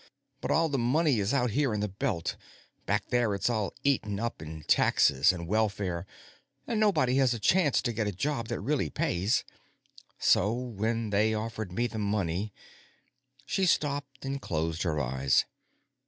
But all the money is out here in the Belt. Back there, it's all eaten up in taxes and welfare, and nobody has a chance to get a job that really pays. So when they offered me the money " She stopped and closed her eyes.